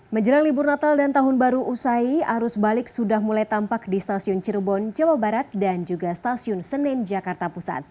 menjelang libur natal dan tahun baru usai arus balik sudah mulai tampak di stasiun cirebon jawa barat dan juga stasiun senen jakarta pusat